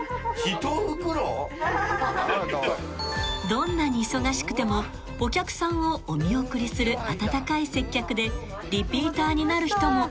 ［どんなに忙しくてもお客さんをお見送りする温かい接客でリピーターになる人も多い］